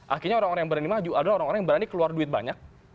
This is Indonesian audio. akhirnya orang orang yang berani maju adalah orang orang yang berani keluar duit banyak